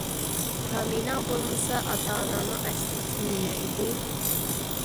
فامىلەڭ بولمىسا، ئاتا - ئاناڭنىڭ ئەسلىي ئىسمى نېمە ئىدى؟